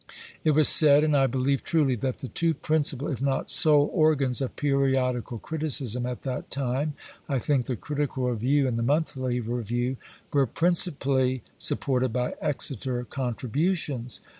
It was said, and I believe truly, that the two principal, if not sole, organs of periodical criticism at that time, I think the "Critical Review" and the "Monthly Review," were principally supported by Exeter contributions.